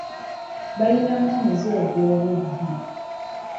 Balinamu omuze ogw'obubbi.